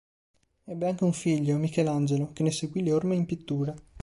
Ebbe anche un figlio, Michelangelo, che ne seguì le orme in pittura.